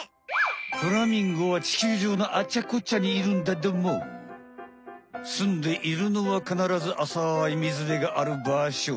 フラミンゴはちきゅうじょうのあっちゃこっちゃにいるんだどもすんでいるのはかならずあさい水辺があるばしょ。